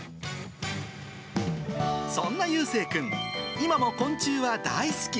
そんなゆうせいくん、今も昆虫は大好き。